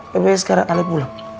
bapaknya sekarang ale pulang